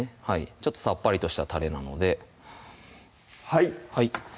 ちょっとさっぱりとしたたれなのではいはい